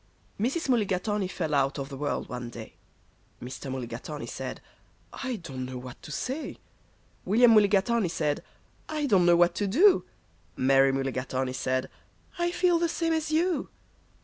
Mrs. Mulligatawny fell out of the world one day. Mr. Mulligatawny said, "I don't know what to say." William Mulligatawny said, "I don't know what to do." Mary Mulligatawny said, "I feel the same as you."